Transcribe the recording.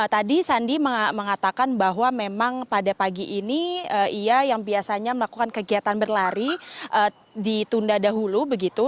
tadi sandi mengatakan bahwa memang pada pagi ini ia yang biasanya melakukan kegiatan berlari ditunda dahulu begitu